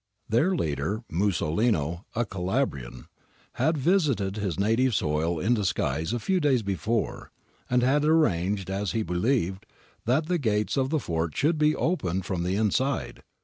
Their leader, Musolino, a Calabrian, had visited his native soil in disguise a few days before, and had arranged, as he believed, that the gates of the fort should be opened from the inside.